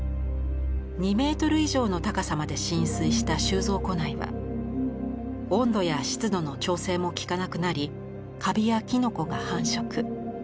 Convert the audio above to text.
２メートル以上の高さまで浸水した収蔵庫内は温度や湿度の調整もきかなくなりカビやキノコが繁殖。